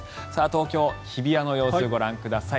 東京・日比谷の様子ご覧ください。